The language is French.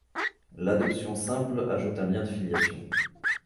L'adoption simple ajoute un lien de filiation.